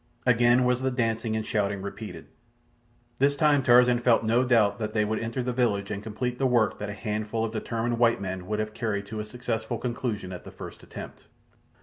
Again was the dancing and shouting repeated. This time Tarzan felt no doubt they would enter the village and complete the work that a handful of determined white men would have carried to a successful conclusion at the first attempt.